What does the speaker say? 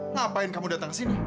ngapain kamu datang kesini